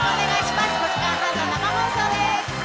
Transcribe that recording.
５時間半の生放送です。